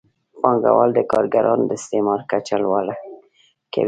پانګوال د کارګرانو د استثمار کچه لوړه کوي